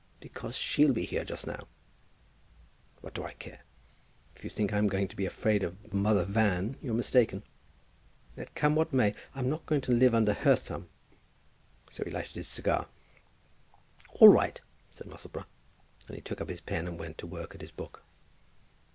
"Because she'll be here just now." "What do I care? If you think I'm going to be afraid of Mother Van, you're mistaken. Let come what may, I'm not going to live under her thumb." So he lighted his cigar. "All right," said Musselboro, and he took up his pen and went to work at his book.